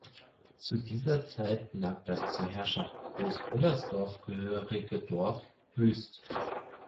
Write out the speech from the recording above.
Zu dieser Zeit lag das zur Herrschaft Groß Ullersdorf gehörige Dorf wüst.